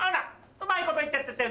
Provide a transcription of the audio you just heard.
うまいこと言っちゃって○△□×☆